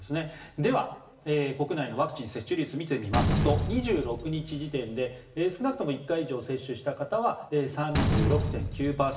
では、国内のワクチン接種率を見てみますと２６日時点で少なくとも１回以上接種した方は３６．９％。